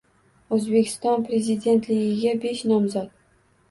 O‘zbekiston prezidentligiga besh nomzod